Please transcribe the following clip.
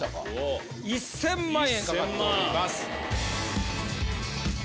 １０００万円かかっております。